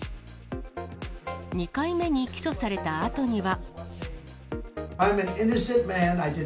２回目に起訴されたあとには。